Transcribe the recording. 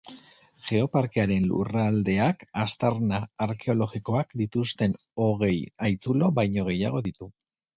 Geoparkearen lurraldeak aztarna arkeologikoak dituzten hogei haitzulo baino gehiago ditu.